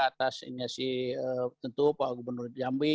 atas ini si tentu pak gubernur jambi